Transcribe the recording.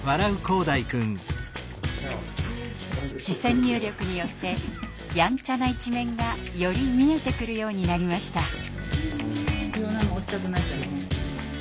視線入力によってやんちゃな一面がより見えてくるようになりました。